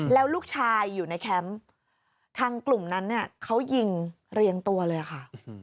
แล้วลูกชายอยู่ในแคมป์ทางกลุ่มนั้นเนี่ยเขายิงเรียงตัวเลยค่ะ